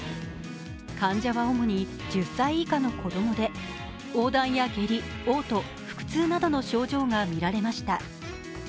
患者は主に１０歳以下の子供でおうだんや下痢、おう吐、腹痛などの症状が見られました。